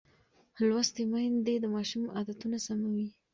لوستې میندې د ماشوم عادتونه سموي.